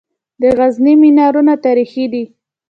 د غزني منارونه تاریخي دي